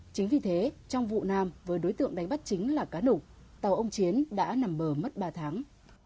chính vì thế trong vụ nam với đối tượng đánh bắt chính là cá đục tàu ông chiến đã nằm bờ mất ba tháng